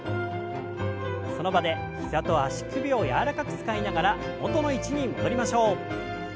その場で膝と足首を柔らかく使いながら元の位置に戻りましょう。